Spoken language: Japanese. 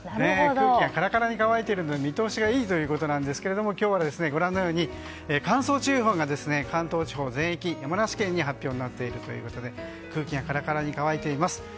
空気がカラカラに乾いているので見通しがいいということなんですが今日はご覧のように乾燥注意報が関東地方全域、山梨県に発表になっているということで空気がカラカラに乾いています。